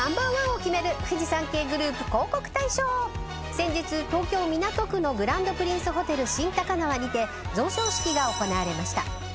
先日東京港区のグランドプリンスホテル新高輪にて贈賞式が行われました。